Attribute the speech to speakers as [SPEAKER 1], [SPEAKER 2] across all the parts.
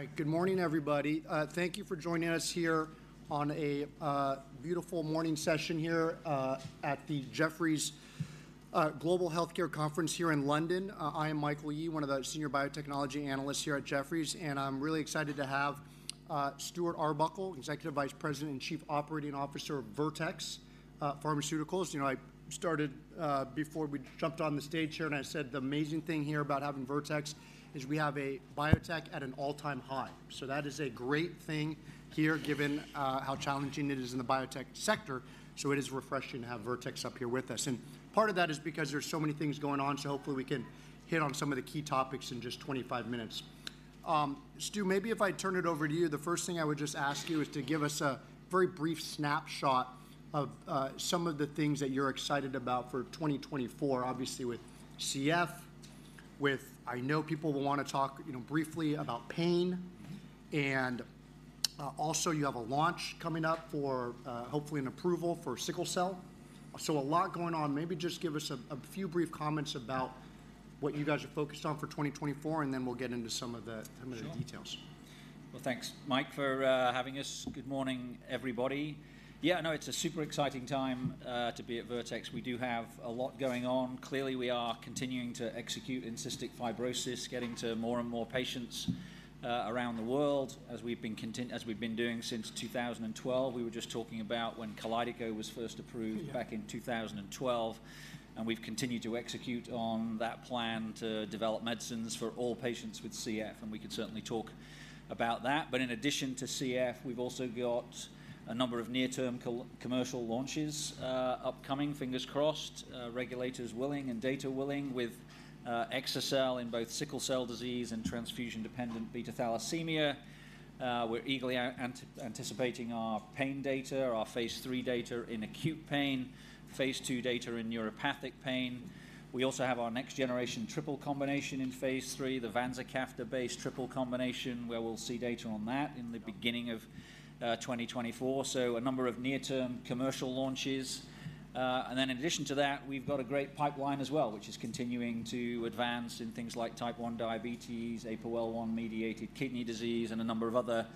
[SPEAKER 1] All right. Good morning, everybody. Thank you for joining us here on a beautiful morning session here at the Jefferies Global Healthcare Conference here in London. I am Michael Yee, one of the senior biotechnology analysts here at Jefferies, and I'm really excited to have Stuart Arbuckle, Executive Vice President and Chief Operating Officer of Vertex Pharmaceuticals. You know, I started before we jumped on the stage here, and I said the amazing thing here about having Vertex is we have a biotech at an all-time high. So that is a great thing here, given how challenging it is in the biotech sector. So it is refreshing to have Vertex up here with us, and part of that is because there's so many things going on, so hopefully we can hit on some of the key topics in just 25 minutes. Stu, maybe if I turn it over to you, the first thing I would just ask you is to give us a very brief snapshot of some of the things that you're excited about for 2024. Obviously, with CF, with... I know people will want to talk, you know, briefly about pain, and also, you have a launch coming up for hopefully an approval for sickle cell. So a lot going on. Maybe just give us a few brief comments about what you guys are focused on for 2024, and then we'll get into some of the-
[SPEAKER 2] Sure
[SPEAKER 1] Some of the details.
[SPEAKER 2] Well, thanks, Mike, for having us. Good morning, everybody. Yeah, no, it's a super exciting time to be at Vertex. We do have a lot going on. Clearly, we are continuing to execute in cystic fibrosis, getting to more and more patients around the world, as we've been doing since 2012. We were just talking about when KALYDECO was first approved-
[SPEAKER 1] Yeah
[SPEAKER 2] Back in 2012, and we've continued to execute on that plan to develop medicines for all patients with CF, and we can certainly talk about that. But in addition to CF, we've also got a number of near-term commercial launches, upcoming, fingers crossed, regulators willing and data willing, with exa-cel in both sickle cell disease and transfusion-dependent beta thalassemia. We're eagerly anticipating our pain data, our phase III data in acute pain, phase II data in neuropathic pain. We also have our next-generation triple combination in phase III, the vanzacaftor-based triple combination, where we'll see data on that in the-
[SPEAKER 1] Yeah
[SPEAKER 2] Beginning of 2024, so a number of near-term commercial launches. And then in addition to that, we've got a great pipeline as well, which is continuing to advance in things like type 1 diabetes, APOL1-mediated kidney disease, and a number of other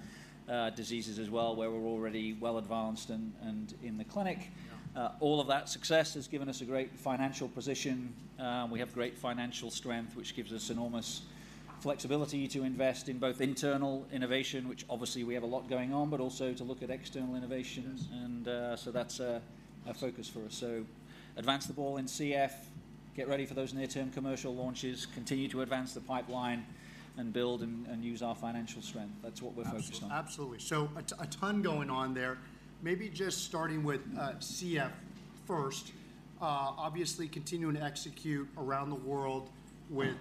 [SPEAKER 2] diseases as well, where we're already well advanced and in the clinic.
[SPEAKER 1] Yeah.
[SPEAKER 2] All of that success has given us a great financial position. We have great financial strength, which gives us enormous flexibility to invest in both internal innovation, which obviously we have a lot going on, but also to look at external innovations.
[SPEAKER 1] Sure.
[SPEAKER 2] And, so that's a focus for us. So advance the ball in CF, get ready for those near-term commercial launches, continue to advance the pipeline, and build and use our financial strength. That's what we're focused on.
[SPEAKER 1] Absolutely. Absolutely. So a ton going on there. Maybe just starting with CF first. Obviously continuing to execute around the world with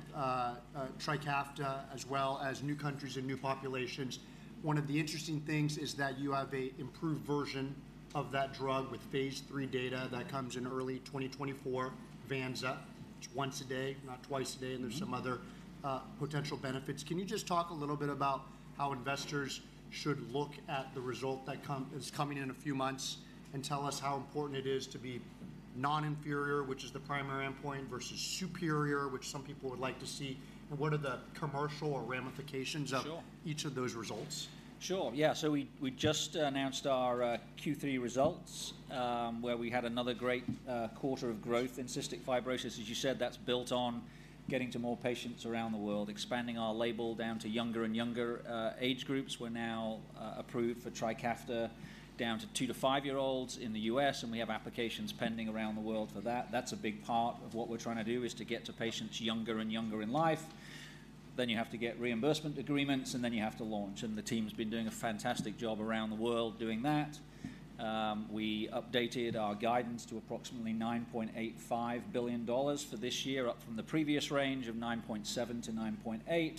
[SPEAKER 1] TRIKAFTA, as well as new countries and new populations. One of the interesting things is that you have an improved version of that drug with phase III data-
[SPEAKER 2] Yeah
[SPEAKER 1] That comes in early 2024, vanzacaftor. It's once a day, not twice a day-
[SPEAKER 2] Mm-hmm
[SPEAKER 1] And there's some other potential benefits. Can you just talk a little bit about how investors should look at the result that is coming in a few months, and tell us how important it is to be non-inferior, which is the primary endpoint, versus superior, which some people would like to see, and what are the commercial or ramifications of-
[SPEAKER 2] Sure
[SPEAKER 1] Each of those results?
[SPEAKER 2] Sure. Yeah, so we just announced our Q3 results, where we had another great quarter of growth in cystic fibrosis. As you said, that's built on getting to more patients around the world, expanding our label down to younger and younger age groups. We're now approved for TRIKAFTA down to two- to five-year-olds in the U.S., and we have applications pending around the world for that. That's a big part of what we're trying to do, is to get to patients younger and younger in life. Then you have to get reimbursement agreements, and then you have to launch, and the team's been doing a fantastic job around the world doing that. We updated our guidance to approximately $9.85 billion for this year, up from the previous range of $9.7 billion-$9.8 billion.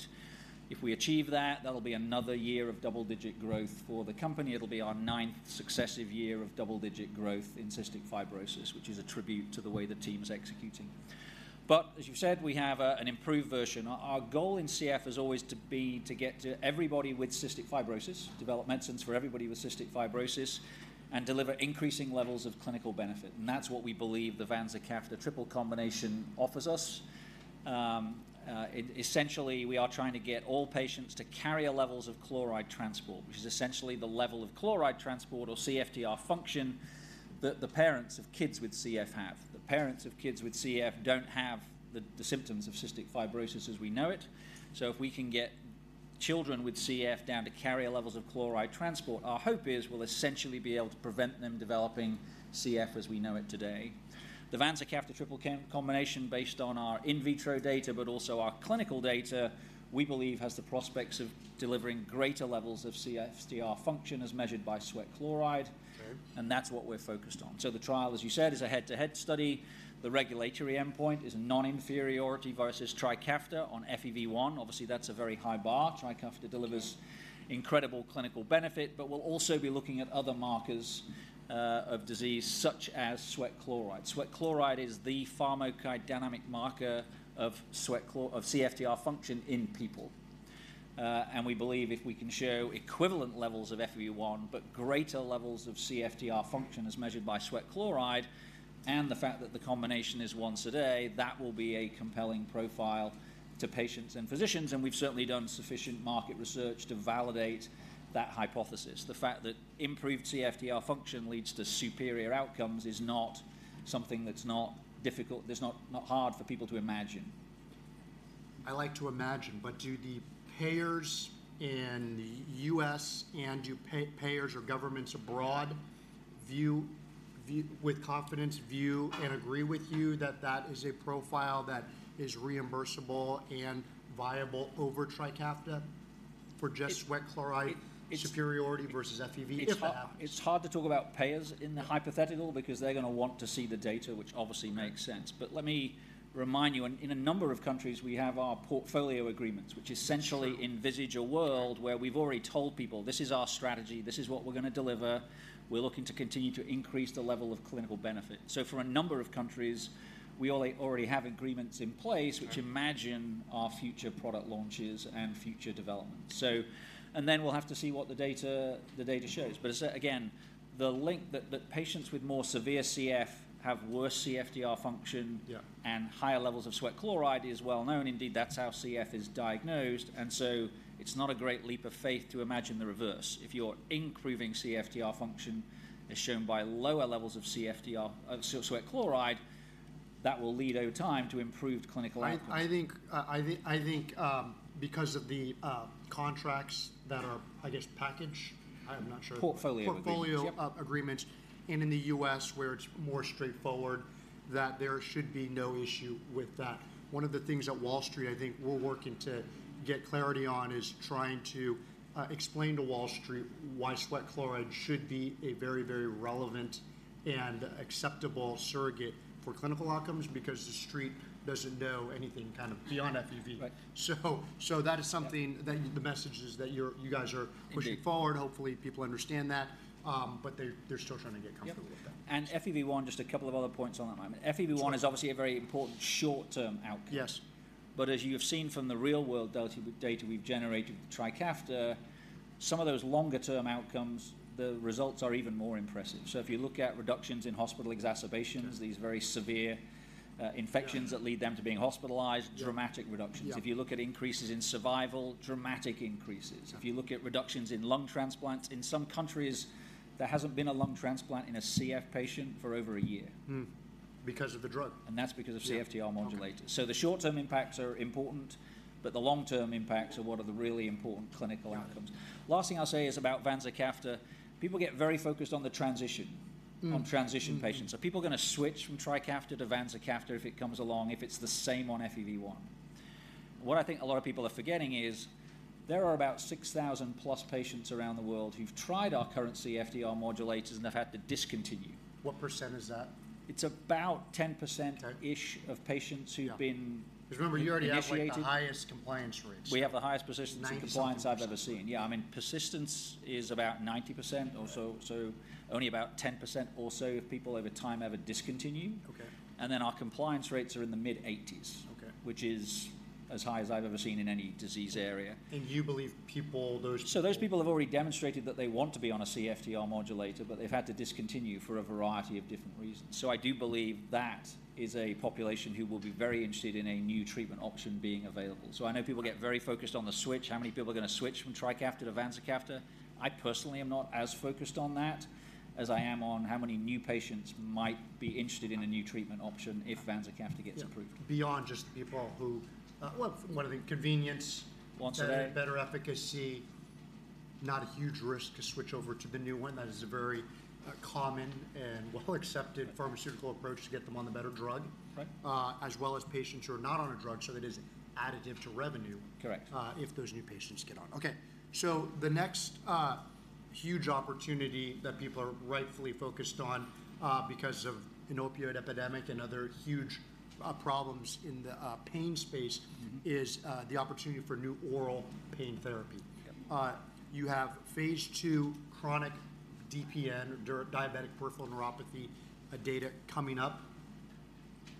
[SPEAKER 2] If we achieve that, that'll be another year of double-digit growth for the company. It'll be our ninth successive year of double-digit growth in cystic fibrosis, which is a tribute to the way the team's executing. But as you've said, we have an improved version. Our goal in CF is always to be to get to everybody with cystic fibrosis, develop medicines for everybody with cystic fibrosis, and deliver increasing levels of clinical benefit, and that's what we believe the vanzacaftor triple combination offers us. It essentially, we are trying to get all patients to carrier levels of chloride transport, which is essentially the level of chloride transport or CFTR function that the parents of kids with CF have. The parents of kids with CF don't have the symptoms of cystic fibrosis as we know it. So if we can get children with CF down to carrier levels of chloride transport, our hope is we'll essentially be able to prevent them developing CF as we know it today. The vanzacaftor triple combination, based on our in vitro data, but also our clinical data, we believe has the prospects of delivering greater levels of CFTR function, as measured by sweat chloride.
[SPEAKER 1] Okay.
[SPEAKER 2] That's what we're focused on. The trial, as you said, is a head-to-head study. The regulatory endpoint is non-inferiority versus TRIKAFTA on FEV1. Obviously, that's a very high bar. TRIKAFTA delivers-
[SPEAKER 1] Yeah
[SPEAKER 2] Incredible clinical benefit, but we'll also be looking at other markers of disease, such as sweat chloride. Sweat chloride is the pharmacodynamic marker of sweat chloride of CFTR function in people. And we believe if we can show equivalent levels of FEV1, but greater levels of CFTR function as measured by sweat chloride, and the fact that the combination is once a day, that will be a compelling profile to patients and physicians, and we've certainly done sufficient market research to validate that hypothesis. The fact that improved CFTR function leads to superior outcomes is not something that's not difficult. That's not hard for people to imagine.
[SPEAKER 1] I like to imagine, but do the payers in the U.S., and do payers or governments abroad, view with confidence and agree with you that that is a profile that is reimbursable and viable over TRIKAFTA for just sweat chloride?
[SPEAKER 2] It-
[SPEAKER 1] Superiority versus FEV, if it happens?
[SPEAKER 2] It's hard, it's hard to talk about payers in the hypothetical, because they're gonna want to see the data, which obviously makes sense.
[SPEAKER 1] Right.
[SPEAKER 2] But let me remind you, in a number of countries, we have our portfolio agreements-
[SPEAKER 1] Sure
[SPEAKER 2] Which essentially envisage a world where we've already told people: "This is our strategy. This is what we're gonna deliver. We're looking to continue to increase the level of clinical benefit." So for a number of countries, we already have agreements in place-
[SPEAKER 1] Right
[SPEAKER 2] Which imagine our future product launches and future developments. So, and then we'll have to see what the data, the data shows. But as I said, again, the link that patients with more severe CF have worse CFTR function-
[SPEAKER 1] Yeah
[SPEAKER 2] And higher levels of sweat chloride is well known. Indeed, that's how CF is diagnosed, and so it's not a great leap of faith to imagine the reverse. If you're improving CFTR function, as shown by lower levels of CFTR, so sweat chloride, that will lead over time to improved clinical outcome.
[SPEAKER 1] I think, because of the contracts that are, I guess, packaged, I'm not sure-
[SPEAKER 2] Portfolio agreements.
[SPEAKER 1] Portfolio-
[SPEAKER 2] Yep
[SPEAKER 1] Agreements, and in the U.S., where it's more straightforward, that there should be no issue with that. One of the things that Wall Street, I think we're working to get clarity on, is trying to explain to Wall Street why sweat chloride should be a very, very relevant and acceptable surrogate for clinical outcomes, because the Street doesn't know anything kind of beyond FEV.
[SPEAKER 2] Right.
[SPEAKER 1] So that is something-
[SPEAKER 2] Yeah
[SPEAKER 1] That the message is that you're-- you guys are-
[SPEAKER 2] Indeed
[SPEAKER 1] Pushing forward. Hopefully, people understand that, but they're still trying to get comfortable with that.
[SPEAKER 2] Yep. FEV1, just a couple of other points on that. I mean, FEV1 is obviously a very important short-term outcome.
[SPEAKER 1] Yes.
[SPEAKER 2] But as you have seen from the real-world data, data we've generated with TRIKAFTA, some of those longer-term outcomes, the results are even more impressive. So if you look at reductions in hospital exacerbations-
[SPEAKER 1] Yeah
[SPEAKER 2] These very severe infections-
[SPEAKER 1] Yeah
[SPEAKER 2] That lead them to being hospitalized-
[SPEAKER 1] Yeah
[SPEAKER 2] Dramatic reductions.
[SPEAKER 1] Yeah.
[SPEAKER 2] If you look at increases in survival, dramatic increases.
[SPEAKER 1] Yeah.
[SPEAKER 2] If you look at reductions in lung transplants, in some countries, there hasn't been a lung transplant in a CF patient for over a year.
[SPEAKER 1] Hmm. Because of the drug?
[SPEAKER 2] That's because of CFTR-
[SPEAKER 1] Yeah
[SPEAKER 2] Modulators.
[SPEAKER 1] Okay.
[SPEAKER 2] The short-term impacts are important, but the long-term impacts are one of the really important clinical outcomes.
[SPEAKER 1] Got it.
[SPEAKER 2] Last thing I'll say is about vanzacaftor. People get very focused on the transition-
[SPEAKER 1] Mm
[SPEAKER 2] On transition patients.
[SPEAKER 1] Mm-hmm.
[SPEAKER 2] Are people gonna switch from TRIKAFTA to vanzacaftor if it comes along, if it's the same on FEV1? What I think a lot of people are forgetting is, there are about 6,000+ patients around the world who've tried our current CFTR modulators and have had to discontinue.
[SPEAKER 1] What % is that?
[SPEAKER 2] It's about 10%-
[SPEAKER 1] Okay
[SPEAKER 2] Ish of patients who've been-
[SPEAKER 1] Yeah. Because remember, you already have-
[SPEAKER 2] Initiated
[SPEAKER 1] Like the highest compliance rates.
[SPEAKER 2] We have the highest persistence-
[SPEAKER 1] Ninety something
[SPEAKER 2] Compliance I've ever seen. Yeah, I mean, persistence is about 90% or so, so only about 10% or so of people over time ever discontinue.
[SPEAKER 1] Okay.
[SPEAKER 2] Then our compliance rates are in the mid-80s-
[SPEAKER 1] Okay
[SPEAKER 2] Which is as high as I've ever seen in any disease area.
[SPEAKER 1] You believe people, those-
[SPEAKER 2] So those people have already demonstrated that they want to be on a CFTR modulator, but they've had to discontinue for a variety of different reasons. So I do believe that is a population who will be very interested in a new treatment option being available. So I know people get very focused on the switch. How many people are gonna switch from TRIKAFTA to vanzacaftor? I personally am not as focused on that, as I am on how many new patients might be interested in a new treatment option if vanzacaftor gets approved.
[SPEAKER 1] Yeah. Beyond just the people who,
[SPEAKER 2] Well-
[SPEAKER 1] One of the convenience-
[SPEAKER 2] Once a day.
[SPEAKER 1] Better efficacy, not a huge risk to switch over to the new one. That is a very, common and well accepted pharmaceutical approach to get them on the better drug.
[SPEAKER 2] Right.
[SPEAKER 1] As well as patients who are not on a drug, so that is additive to revenue-
[SPEAKER 2] Correct
[SPEAKER 1] If those new patients get on. Okay, so the next huge opportunity that people are rightfully focused on, because of an opioid epidemic and other huge problems in the pain space-
[SPEAKER 2] Mm-hmm
[SPEAKER 1] Is, the opportunity for new oral pain therapy.
[SPEAKER 2] Yep.
[SPEAKER 1] You have Phase II chronic DPN, diabetic peripheral neuropathy, data coming up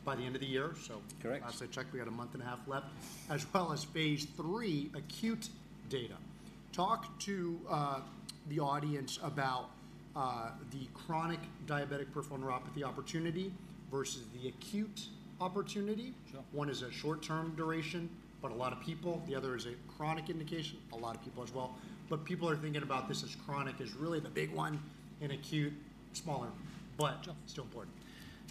[SPEAKER 1] by the end of the year. So-
[SPEAKER 2] Correct.
[SPEAKER 1] Last I checked, we had a month and a half left, as well as phase III acute data. Talk to the audience about the chronic diabetic peripheral neuropathy opportunity versus the acute opportunity.
[SPEAKER 2] Sure.
[SPEAKER 1] One is a short-term duration, but a lot of people. The other is a chronic indication, a lot of people as well. But people are thinking about this as chronic is really the big one, and acute, smaller-
[SPEAKER 2] Sure
[SPEAKER 1] But still important.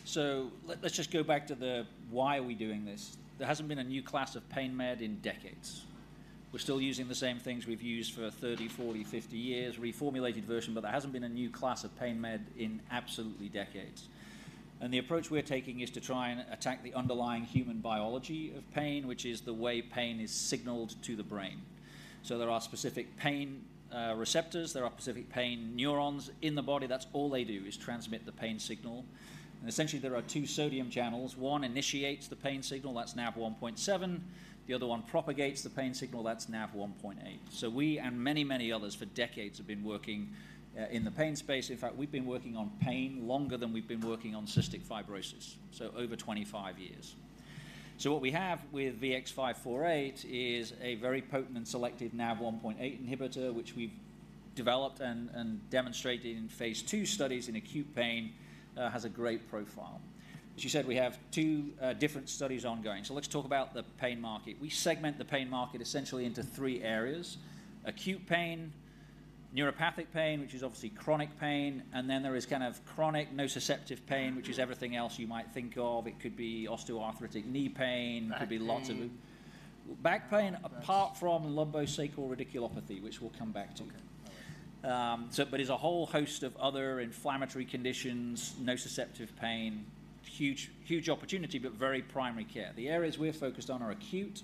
[SPEAKER 2] So let's just go back to why are we doing this? There hasn't been a new class of pain med in decades. We're still using the same things we've used for 30, 40, 50 years, reformulated version, but there hasn't been a new class of pain med in absolutely decades. And the approach we're taking is to try and attack the underlying human biology of pain, which is the way pain is signaled to the brain. So there are specific pain receptors. There are specific pain neurons in the body. That's all they do, is transmit the pain signal. And essentially, there are two sodium channels. One initiates the pain signal, that's NaV1.7. The other one propagates the pain signal, that's NaV1.8. So we and many, many others for decades have been working in the pain space. In fact, we've been working on pain longer than we've been working on cystic fibrosis, so over 25 years. So what we have with VX-548 is a very potent and selective NaV1.8 inhibitor, which we've developed and demonstrated in phase 2 studies in acute pain. Has a great profile. As you said, we have 2 different studies ongoing. So let's talk about the pain market. We segment the pain market essentially into 3 areas: acute pain, neuropathic pain, which is obviously chronic pain, and then there is kind of chronic nociceptive pain, which is everything else you might think of. It could be osteoarthritic knee pain.
[SPEAKER 1] Back pain.
[SPEAKER 2] It could be lots of back pain, apart from lumbosacral radiculopathy, which we'll come back to.
[SPEAKER 1] Okay. All right.
[SPEAKER 2] So but there's a whole host of other inflammatory conditions, nociceptive pain, huge, huge opportunity, but very primary care. The areas we're focused on are acute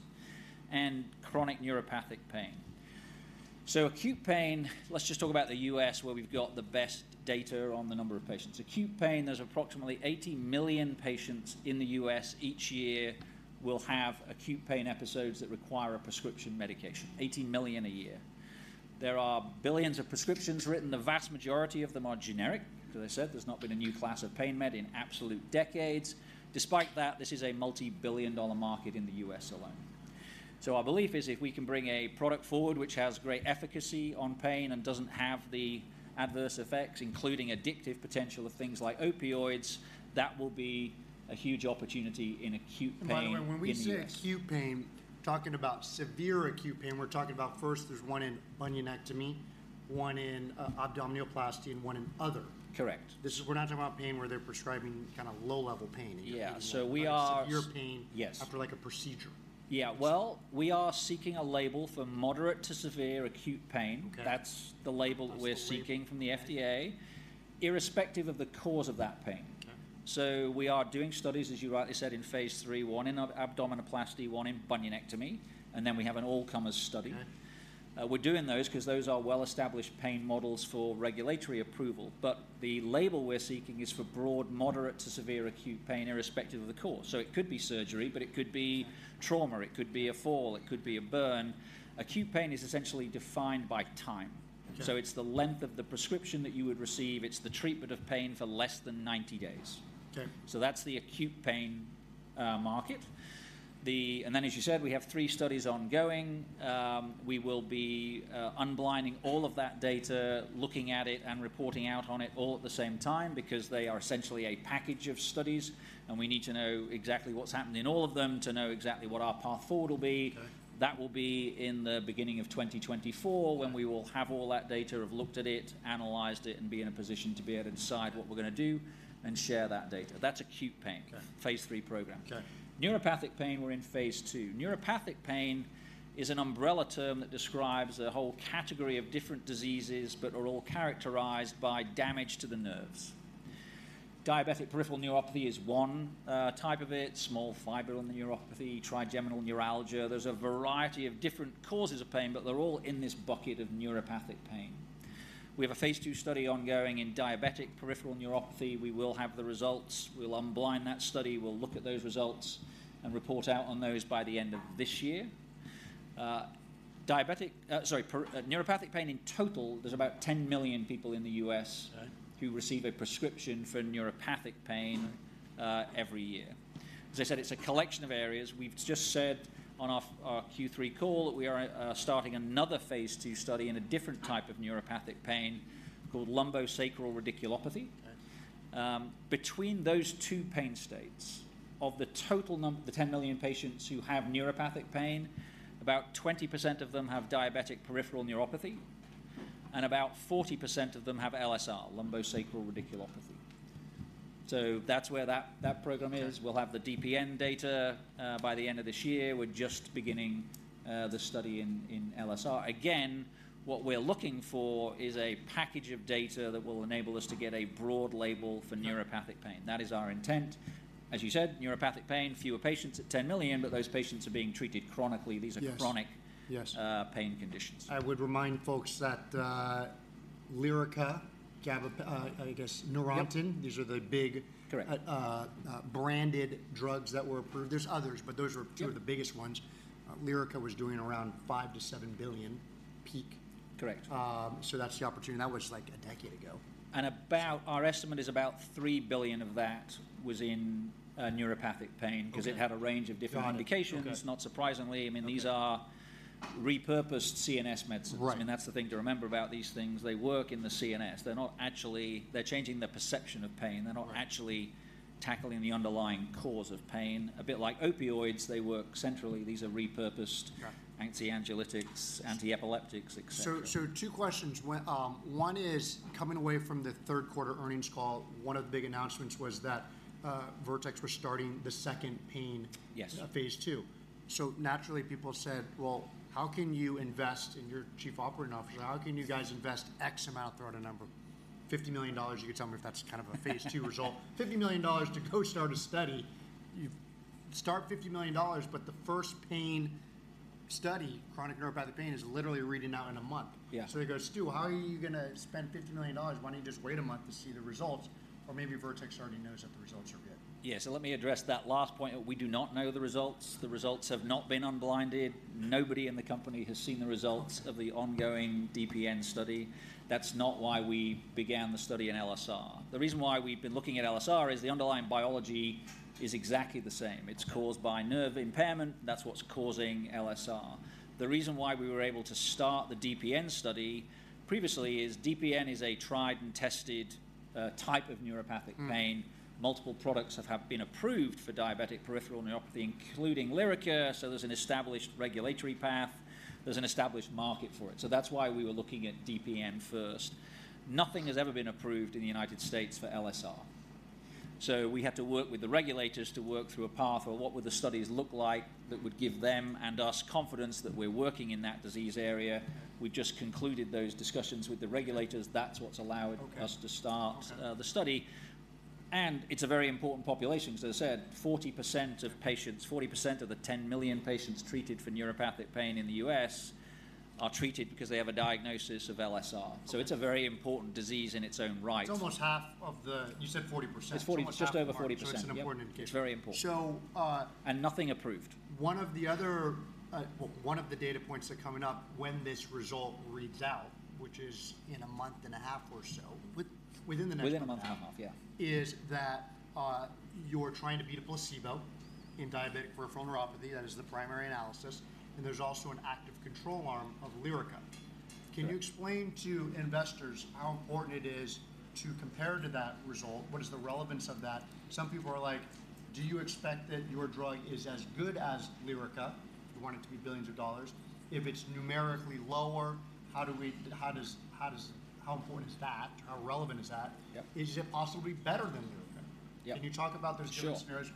[SPEAKER 2] and chronic neuropathic pain. So acute pain, let's just talk about the U.S., where we've got the best data on the number of patients. Acute pain, there's approximately 80 million patients in the U.S. each year will have acute pain episodes that require a prescription medication, 80 million a year. There are billions of prescriptions written. The vast majority of them are generic. As I said, there's not been a new class of pain med in absolute decades. Despite that, this is a multi-billion-dollar market in the U.S. alone. Our belief is, if we can bring a product forward, which has great efficacy on pain and doesn't have the adverse effects, including addictive potential of things like opioids, that will be a huge opportunity in acute pain in the U.S.
[SPEAKER 1] And by the way, when we say acute pain, talking about severe acute pain, we're talking about first, there's one in bunionectomy, one in abdominoplasty, and one in other.
[SPEAKER 2] Correct.
[SPEAKER 1] We're not talking about pain where they're prescribing kind of low-level pain.
[SPEAKER 2] Yeah. So we are-
[SPEAKER 1] Severe pain-
[SPEAKER 2] Yes
[SPEAKER 1] After, like, a procedure.
[SPEAKER 2] Yeah. Well, we are seeking a label for moderate to severe acute pain.
[SPEAKER 1] Okay.
[SPEAKER 2] That's the label we're seeking from the FDA, irrespective of the cause of that pain.
[SPEAKER 1] Okay.
[SPEAKER 2] So we are doing studies, as you rightly said, in phase 3, one in abdominoplasty, one in bunionectomy, and then we have an all-comers study.
[SPEAKER 1] Okay.
[SPEAKER 2] We're doing those 'cause those are well-established pain models for regulatory approval, but the label we're seeking is for broad, moderate to severe acute pain, irrespective of the cause. So it could be surgery, but it could be trauma, it could be a fall, it could be a burn. Acute pain is essentially defined by time.
[SPEAKER 1] Okay.
[SPEAKER 2] So it's the length of the prescription that you would receive. It's the treatment of pain for less than 90 days.
[SPEAKER 1] Okay.
[SPEAKER 2] So that's the acute pain market. The, as you said, we have three studies ongoing. We will be unblinding all of that data, looking at it, and reporting out on it all at the same time because they are essentially a package of studies, and we need to know exactly what's happening in all of them to know exactly what our path forward will be.
[SPEAKER 1] Okay.
[SPEAKER 2] That will be in the beginning of 2024, when we will have all that data, have looked at it, analyzed it, and be in a position to be able to decide what we're gonna do and share that data. That's acute pain-
[SPEAKER 1] Okay
[SPEAKER 2] Phase 3 program.
[SPEAKER 1] Okay.
[SPEAKER 2] Neuropathic pain, we're in phase 2. Neuropathic pain is an umbrella term that describes a whole category of different diseases but are all characterized by damage to the nerves. Diabetic peripheral neuropathy is one type of it, small fiber neuropathy, trigeminal neuralgia. There's a variety of different causes of pain, but they're all in this bucket of neuropathic pain. We have a phase 2 study ongoing in diabetic peripheral neuropathy. We will have the results. We'll unblind that study. We'll look at those results and report out on those by the end of this year. Neuropathic pain in total, there's about 10 million people in the U.S.-
[SPEAKER 1] Right
[SPEAKER 2] Who receive a prescription for neuropathic pain every year. As I said, it's a collection of areas. We've just said on our Q3 call that we are starting another phase two study in a different type of neuropathic pain called lumbosacral radiculopathy.
[SPEAKER 1] Right.
[SPEAKER 2] Between those two pain states, of the total number, the 10 million patients who have neuropathic pain, about 20% of them have diabetic peripheral neuropathy, and about 40% of them have LSR, lumbosacral radiculopathy. So that's where that program is.
[SPEAKER 1] Okay.
[SPEAKER 2] We'll have the DPN data by the end of this year. We're just beginning the study in LSR. Again, what we're looking for is a package of data that will enable us to get a broad label for neuropathic pain.
[SPEAKER 1] Right.
[SPEAKER 2] That is our intent. As you said, neuropathic pain, fewer patients at 10 million, but those patients are being treated chronically.
[SPEAKER 1] Yes.
[SPEAKER 2] These are chronic-
[SPEAKER 1] Yes
[SPEAKER 2] Pain conditions.
[SPEAKER 1] I would remind folks that, Lyrica, I guess, Neurontin.
[SPEAKER 2] Yep
[SPEAKER 1] These are the big-
[SPEAKER 2] Correct
[SPEAKER 1] Branded drugs that were approved. There's others, but those were-
[SPEAKER 2] Yep
[SPEAKER 1] Two of the biggest ones. Lyrica was doing around $5 billion-$7 billion peak.
[SPEAKER 2] Correct.
[SPEAKER 1] That's the opportunity. That was, like, a decade ago.
[SPEAKER 2] Our estimate is about $3 billion of that was in neuropathic pain.
[SPEAKER 1] Okay
[SPEAKER 2] Because it had a range of different indications.
[SPEAKER 1] Okay.
[SPEAKER 2] Not surprisingly, I mean, these are-
[SPEAKER 1] Okay
[SPEAKER 2] Repurposed CNS medicines.
[SPEAKER 1] Right.
[SPEAKER 2] I mean, that's the thing to remember about these things. They work in the CNS. They're not actually. They're changing the perception of pain.
[SPEAKER 1] Right.
[SPEAKER 2] They're not actually tackling the underlying cause of pain. A bit like opioids, they work centrally. These are repurposed-
[SPEAKER 1] Yeah
[SPEAKER 2] Anxiolytics, antiepileptics, et cetera.
[SPEAKER 1] So, two questions. One is, coming away from the third quarter earnings call, one of the big announcements was that Vertex was starting the second pain-
[SPEAKER 2] Yes
[SPEAKER 1] Phase two. So naturally, people said, "Well, how can you invest..." And you're Chief Operating Officer: "How can you guys invest X amount?" Throw out a number. $50 million, you can tell me if that's kind of a phase two result. $50 million to co-start a study. You start $50 million, but the first pain study, chronic neuropathic pain, is literally reading out a month.
[SPEAKER 2] Yeah.
[SPEAKER 1] So he goes, "Stu, how are you gonna spend $50 million? Why don't you just wait a month to see the results? Or maybe Vertex already knows that the results are good.
[SPEAKER 2] Yeah, so let me address that last point. We do not know the results. The results have not been unblinded. Nobody in the company has seen the results of the ongoing DPN study. That's not why we began the study in LSR. The reason why we've been looking at LSR is the underlying biology is exactly the same. It's caused by nerve impairment. That's what's causing LSR. The reason why we were able to start the DPN study previously is DPN is a tried and tested type of neuropathic pain.
[SPEAKER 1] Mm.
[SPEAKER 2] Multiple products have been approved for diabetic peripheral neuropathy, including Lyrica. So there's an established regulatory path. There's an established market for it. So that's why we were looking at DPN first. Nothing has ever been approved in the United States for LSR. So we had to work with the regulators to work through a path of what would the studies look like that would give them and us confidence that we're working in that disease area. We just concluded those discussions with the regulators. That's what's allowed.
[SPEAKER 1] Okay
[SPEAKER 2] Us to start the study. It's a very important population. As I said, 40% of patients—40% of the 10 million patients treated for neuropathic pain in the U.S. are treated because they have a diagnosis of LSR.
[SPEAKER 1] Okay.
[SPEAKER 2] It's a very important disease in its own right.
[SPEAKER 1] It's almost half of the you said 40%.
[SPEAKER 2] It's 40, it's just over 40%.
[SPEAKER 1] It's an important indication.
[SPEAKER 2] It's very important.
[SPEAKER 1] So, uh-
[SPEAKER 2] Nothing approved.
[SPEAKER 1] One of the data points that are coming up when this result reads out, which is in a month and a half or so, within the next-
[SPEAKER 2] Within a month and a half, yeah.
[SPEAKER 1] Is that, you're trying to beat a placebo in diabetic peripheral neuropathy, that is the primary analysis, and there's also an active control arm of Lyrica.
[SPEAKER 2] Right.
[SPEAKER 1] Can you explain to investors how important it is to compare to that result? What is the relevance of that? Some people are like, "Do you expect that your drug is as good as Lyrica? You want it to be billions of dollars. If it's numerically lower, how do we-- how does, how does... How important is that? How relevant is that?
[SPEAKER 2] Yep.
[SPEAKER 1] Is it possibly better than Lyrica?
[SPEAKER 2] Yep.
[SPEAKER 1] Can you talk about those different?
[SPEAKER 2] Sure
[SPEAKER 1] Scenarios,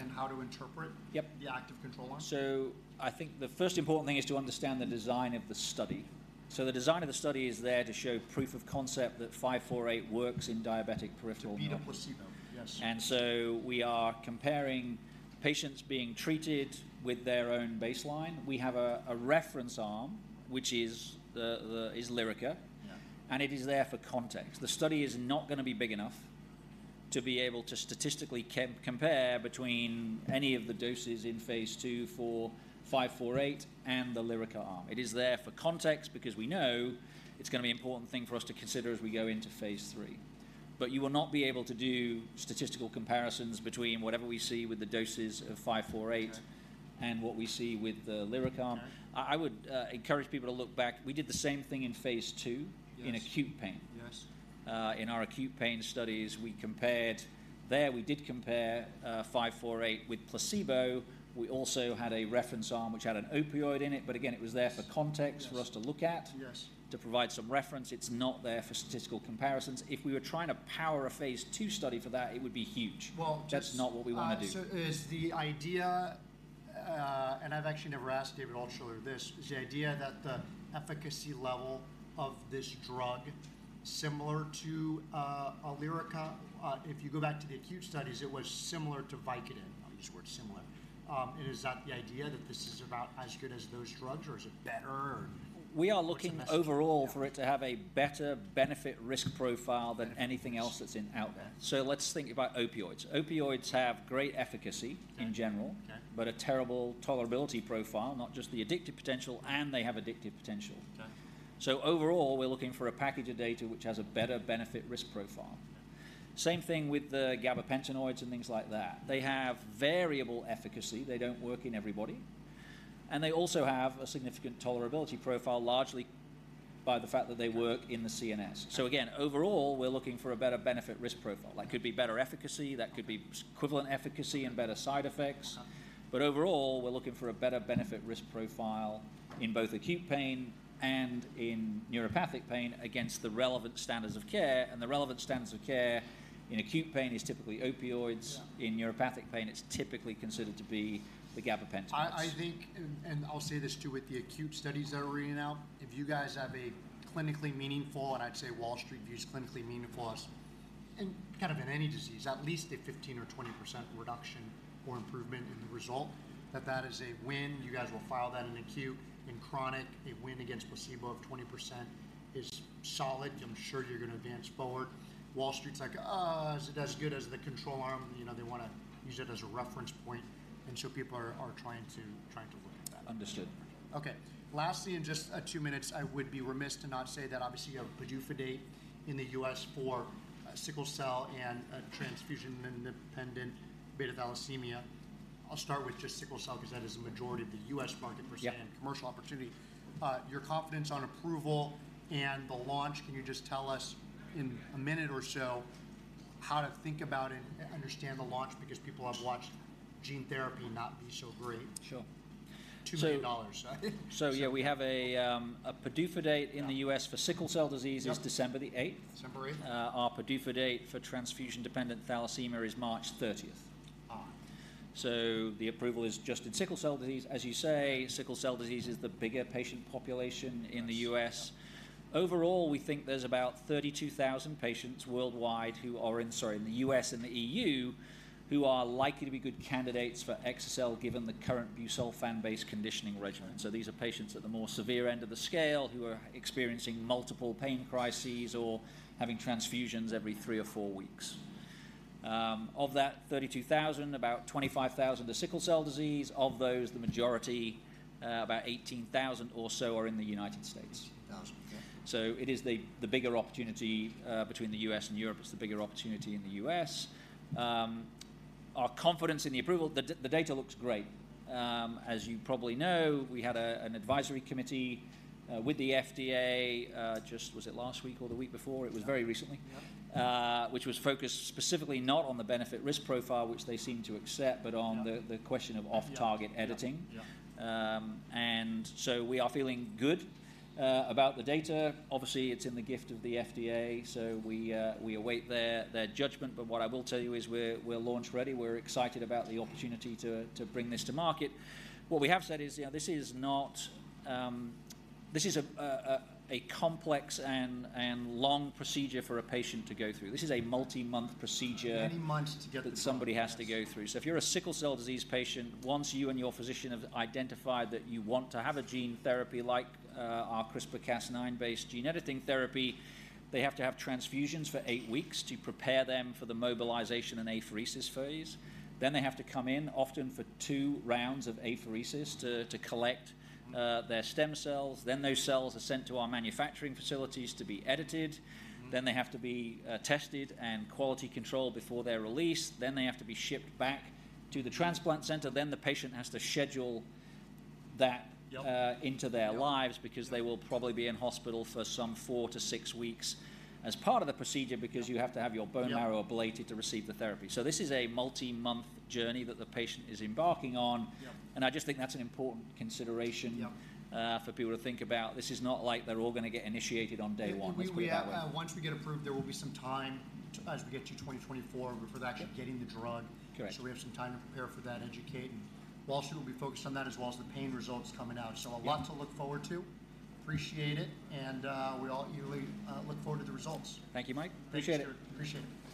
[SPEAKER 1] and how to interpret-
[SPEAKER 2] Yep
[SPEAKER 1] The active control arm?
[SPEAKER 2] So I think the first important thing is to understand the design of the study. The design of the study is there to show proof of concept that VX-548 works in diabetic peripheral-
[SPEAKER 1] To beat a placebo, yes.
[SPEAKER 2] So we are comparing patients being treated with their own baseline. We have a reference arm, which is Lyrica.
[SPEAKER 1] Yeah.
[SPEAKER 2] It is there for context. The study is not gonna be big enough to be able to statistically compare between any of the doses in phase 2 for 548 and the Lyrica arm. It is there for context because we know it's gonna be an important thing for us to consider as we go into phase 3. But you will not be able to do statistical comparisons between whatever we see with the doses of 548-
[SPEAKER 1] Okay
[SPEAKER 2] And what we see with the Lyrica arm.
[SPEAKER 1] Okay.
[SPEAKER 2] I would encourage people to look back. We did the same thing in phase two-
[SPEAKER 1] Yes
[SPEAKER 2] In acute pain.
[SPEAKER 1] Yes.
[SPEAKER 2] In our acute pain studies, we compared 548 with placebo. We also had a reference arm, which had an opioid in it, but again, it was there for context.
[SPEAKER 1] Yes
[SPEAKER 2] For us to look at-
[SPEAKER 1] Yes
[SPEAKER 2] To provide some reference. It's not there for statistical comparisons. If we were trying to power a phase 2 study for that, it would be huge.
[SPEAKER 1] Well, just-
[SPEAKER 2] That's not what we want to do.
[SPEAKER 1] So is the idea, and I've actually never asked David Altschuler this. Is the idea that the efficacy level of this drug similar to a Lyrica? If you go back to the acute studies, it was similar to Vicodin. I'll use the word similar. And is that the idea that this is about as good as those drugs, or is it better or?
[SPEAKER 2] We are looking-
[SPEAKER 1] What's the best-
[SPEAKER 2] Overall for it to have a better benefit-risk profile than anything else that's out there. So let's think about opioids. Opioids have great efficacy-
[SPEAKER 1] Okay
[SPEAKER 2] In general-
[SPEAKER 1] Okay
[SPEAKER 2] But a terrible tolerability profile, not just the addictive potential, and they have addictive potential.
[SPEAKER 1] Okay.
[SPEAKER 2] Overall, we're looking for a package of data which has a better benefit-risk profile. Same thing with the gabapentinoids and things like that. They have variable efficacy. They don't work in everybody, and they also have a significant tolerability profile, largely by the fact that they work in the CNS.
[SPEAKER 1] Okay.
[SPEAKER 2] Again, overall, we're looking for a better benefit-risk profile. That could be better efficacy, that could be equivalent efficacy and better side effects.
[SPEAKER 1] Uh-huh.
[SPEAKER 2] Overall, we're looking for a better benefit-risk profile in both acute pain and in neuropathic pain against the relevant standards of care, and the relevant standards of care in acute pain is typically opioids.
[SPEAKER 1] Yeah.
[SPEAKER 2] In neuropathic pain, it's typically considered to be the gabapentinoids.
[SPEAKER 1] I think, and I'll say this, too, with the acute studies that are reading out, if you guys have a clinically meaningful, and I'd say Wall Street views clinically meaningful as, in kind of any disease, at least a 15% or 20% reduction or improvement in the result, that is a win. You guys will file that in acute. In chronic, a win against placebo of 20% is solid. I'm sure you're gonna advance forward. Wall Street's like, "Is it as good as the control arm?" You know, they wanna use it as a reference point, and so people are trying to look at that.
[SPEAKER 2] Understood.
[SPEAKER 1] Okay. Lastly, in just two minutes, I would be remiss to not say that obviously you have a PDUFA date in the U.S. for sickle cell and transfusion-dependent beta thalassemia. I'll start with just sickle cell, because that is a majority of the U.S. market-
[SPEAKER 2] Yep
[SPEAKER 1] Commercial opportunity. Your confidence on approval and the launch, can you just tell us in a minute or so how to think about and understand the launch? Because people have watched gene therapy not be so great.
[SPEAKER 2] Sure.
[SPEAKER 1] $2 million.
[SPEAKER 2] So yeah, we have a PDUFA date-
[SPEAKER 1] Yeah
[SPEAKER 2] In the U.S. for Sickle Cell Disease-
[SPEAKER 1] Yep
[SPEAKER 2] Is December the eighth.
[SPEAKER 1] December eighth.
[SPEAKER 2] Our PDUFA date for transfusion-dependent thalassemia is March thirtieth.
[SPEAKER 1] Ah.
[SPEAKER 2] So the approval is just in sickle cell disease. As you say, sickle cell disease is the bigger patient population in the U.S. Overall, we think there's about 32,000 patients worldwide who are in, sorry, in the U.S. and the E.U., who are likely to be good candidates for exa-cel, given the current busulfan-based conditioning regimen. So these are patients at the more severe end of the scale, who are experiencing multiple pain crises or having transfusions every three or four weeks. Of that 32,000, about 25,000 are sickle cell disease. Of those, the majority, about 18,000 or so, are in the United States.
[SPEAKER 1] Awesome, okay.
[SPEAKER 2] So it is the bigger opportunity between the U.S. and Europe. It's the bigger opportunity in the U.S. Our confidence in the approval, the data looks great. As you probably know, we had an advisory committee with the FDA just, was it last week or the week before? It was very recently.
[SPEAKER 1] Yep.
[SPEAKER 2] which was focused specifically not on the benefit risk profile, which they seemed to accept-
[SPEAKER 1] Yeah
[SPEAKER 2] But on the question of off-target editing.
[SPEAKER 1] Yeah. Yeah.
[SPEAKER 2] And so we are feeling good about the data. Obviously, it's in the gift of the FDA, so we await their judgment. But what I will tell you is we're launch-ready. We're excited about the opportunity to bring this to market. What we have said is, yeah, this is not this is a complex and long procedure for a patient to go through. This is a multi-month procedure-
[SPEAKER 1] Many months to get the
[SPEAKER 2] -that somebody has to go through. So if you're a sickle cell disease patient, once you and your physician have identified that you want to have a gene therapy like, our CRISPR-Cas9 based gene editing therapy, they have to have transfusions for eight weeks to prepare them for the mobilization and apheresis phase. Then they have to come in, often for two rounds of apheresis, to collect their stem cells. Then those cells are sent to our manufacturing facilities to be edited.
[SPEAKER 1] Mm.
[SPEAKER 2] Then they have to be tested and quality controlled before they're released. Then they have to be shipped back to the transplant center. Then the patient has to schedule that-
[SPEAKER 1] Yep
[SPEAKER 2] Into their lives-
[SPEAKER 1] Yep
[SPEAKER 2] because they will probably be in hospital for some 4-6 weeks as part of the procedure, because you have to have your bone marrow-
[SPEAKER 1] Yep
[SPEAKER 2] Ablated to receive the therapy. So this is a multi-month journey that the patient is embarking on.
[SPEAKER 1] Yep.
[SPEAKER 2] I just think that's an important consideration-
[SPEAKER 1] Yep
[SPEAKER 2] For people to think about. This is not like they're all going to get initiated on day one. Let's put it that way.
[SPEAKER 1] Once we get approved, there will be some time to, as we get to 2024, for actually-
[SPEAKER 2] Yep
[SPEAKER 1] getting the drug.
[SPEAKER 2] Correct.
[SPEAKER 1] We have some time to prepare for that, educate, and Wall Street will be focused on that, as well as the pain results coming out.
[SPEAKER 2] Yep.
[SPEAKER 1] A lot to look forward to. Appreciate it, and we all eagerly look forward to the results.
[SPEAKER 2] Thank you, Mike. Appreciate it.
[SPEAKER 1] Thanks, sir. Appreciate it.